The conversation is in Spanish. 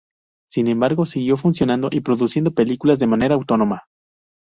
Sin embargo, siguió funcionando y produciendo películas de manera autónoma.